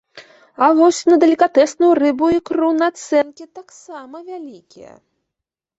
А вось на далікатэсную рыбу і ікру нацэнкі таксама вялікія.